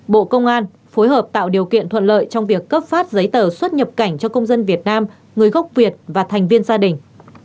bộ công an phối hợp tạo điều kiện thuận lợi trong việc cấp phát giấy tờ xuất nhập cảnh cho công dân việt nam người gốc việt và thành viên gia đình